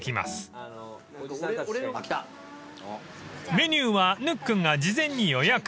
［メニューはぬっくんが事前に予約］